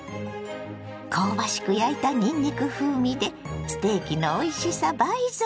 香ばしく焼いたにんにく風味でステーキのおいしさ倍増！